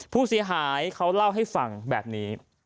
ผู้เสียหายเขาเล่าให้ฟังแบบนี้